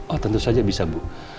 oh tentu saja bisa bu